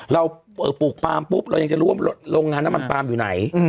ปลูกปลามปุ๊บเรายังจะรู้ว่าโรงงานน้ำมันปลามอยู่ไหน